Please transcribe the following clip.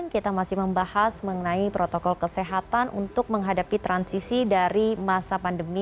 kita masih membahas mengenai protokol kesehatan untuk menghadapi tanda pandemi